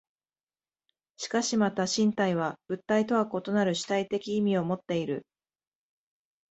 しかしまた身体は物体とは異なる主体的意味をもっている。